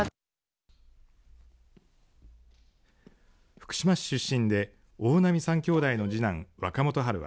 福島市出身で大波３兄弟の次男若元春は